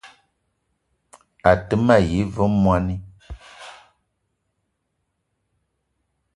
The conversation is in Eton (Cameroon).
A te ma yi ve mwoani